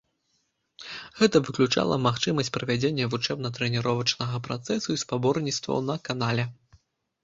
Гэта выключала магчымасць правядзення вучэбна-трэніровачнага працэсу і спаборніцтваў на канале.